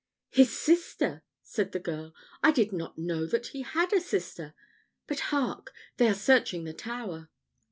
"His sister!" said the girl. "I did not know that he had a sister but hark! they are searching the tower."